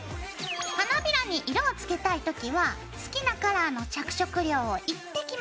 花びらに色を付けたい時は好きなカラーの着色料を１滴混ぜて。